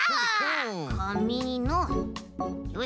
かみのよし。